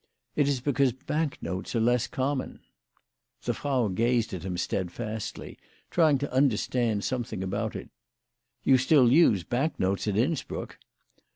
" It is because bank notes are less common." The Frau gazed at him steadfastly, trying to understand something about it. " You still use bank notes at Innsbruck